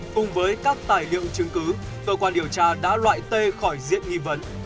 cùng với các tài liệu chứng cứ cơ quan điều tra đã loại tê khỏi diễn nghi vấn